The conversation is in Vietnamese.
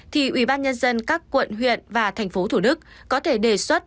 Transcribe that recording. thì ubnd các quận huyện và tp hcm có thể đề xuất